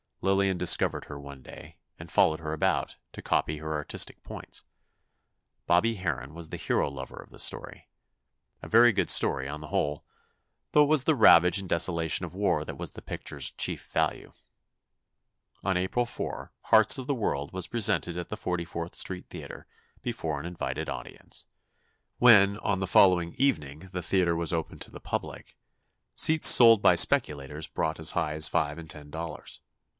Lillian discovered her one day, and followed her about, to copy her artistic points. Bobby Harron was the hero lover of the story—a very good story, on the whole—though it was the ravage and desolation of war that was the picture's chief value. On April 4, "Hearts of the World" was presented at the 44th Street Theatre, before an invited audience. When, on the following evening, the theatre was opened to the public, seats sold by speculators brought as high as five and ten dollars.